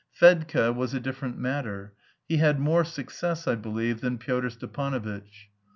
Fedka was a different matter: he had more success, I believe, than Pyotr Stepanovitch.